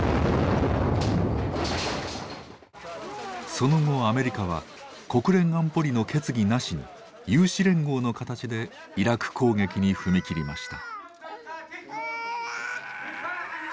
その後アメリカは国連安保理の決議なしに有志連合の形でイラク攻撃に踏み切りました。